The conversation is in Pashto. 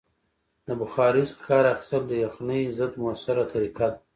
د بخارۍ څخه کار اخیستل د یخنۍ ضد مؤثره طریقه ده.